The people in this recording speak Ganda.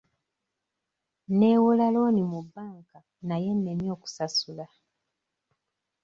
Neewola looni mu banka naye ennemye okusasula.